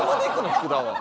福田は。